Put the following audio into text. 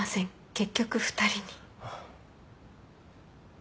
結局２人に。